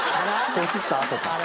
こすったあとか？